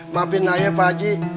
maafin ayah pak ji